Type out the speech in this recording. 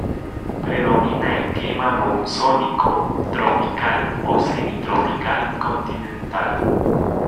Predomina el clima monzónico, tropical o semitropical continental.